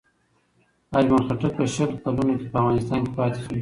اجمل خټک په شل کلونو کې په افغانستان کې پاتې شو.